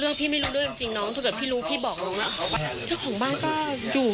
เราก็มีเตนรถขายรถอยู่